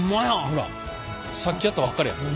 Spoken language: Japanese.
ほらさっきやったばかりやもん。